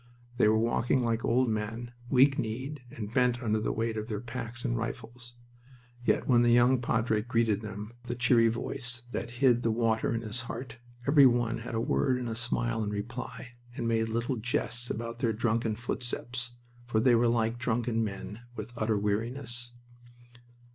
They were walking like old men, weak kneed, and bent under the weight of their packs and rifles. Yet when the young padre greeted them with a cheery voice that hid the water in his heart every one had a word and a smile in reply, and made little jests about their drunken footsteps, for they were like drunken men with utter weariness.